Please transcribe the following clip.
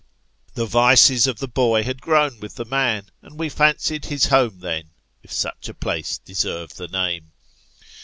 The vices of the boy had grown Avith the man, and we fancied his home then if such a place deserve the name.